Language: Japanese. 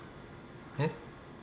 えっ？